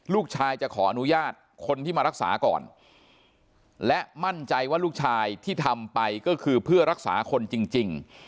ลูกชายจะขออนุญาตคนที่มารักษาก่อนและมั่นใจว่าลูกชายที่ทำไปก็คือเพื่อรักษาคนจริง